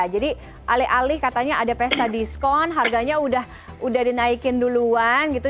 jadi alih alih katanya ada pesta diskon harganya udah dinaikin duluan gitu